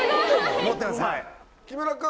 木村君。